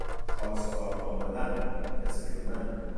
خواستار آمدن کسی شدن